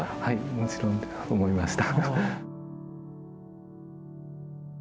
もちろん思いました。